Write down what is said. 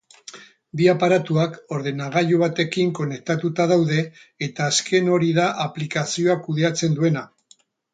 Bi aparatuak ordenagailu batekin konektatuta daude eta azken hori da aplikazioa kudeatzen duena.